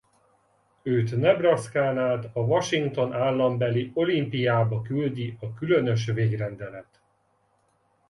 Őt Nebraskán át a Washington állambeli Olympiába küldi a különös végrendelet.